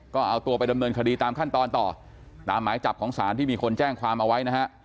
ก็เอาตัวไปดำเนินคดีตามขั้นตอนต่อตามหมายจับของศาลที่มีคนแจ้งความเอาไว้นะฮะ